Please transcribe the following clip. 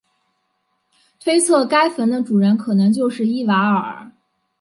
推测该坟的主人可能就是伊瓦尔。